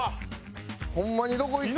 ホンマにどこ行った？